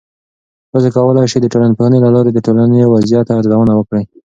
تاسې کولای سئ د ټولنپوهنې له لارې د ټولنې وضعیت ارزونه وکړئ.